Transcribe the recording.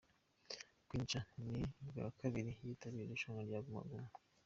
Queen Cha ni ubwa kabiri yitabiriye irushanwa rya Guma Guma